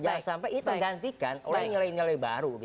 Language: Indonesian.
jangan sampai ini tergantikan oleh nilai nilai baru